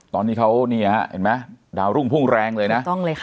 ตอนนี้เขาเนี่ยเห็นไหมดาวรุ่งพุ่งแรงเลยนะ